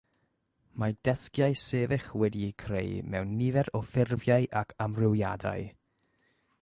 Mae desgiau sefyll wedi'u creu mewn nifer o ffurfiau ac amrywiadau.